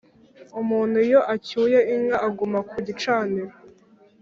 Umuntu iyo acyuye inka aguma ku gicaniro